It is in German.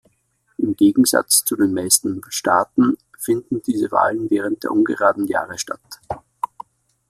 Im Gegensatz zu den meisten Staaten finden diese Wahlen während der ungeraden Jahre statt.